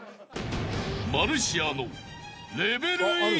［マルシアの］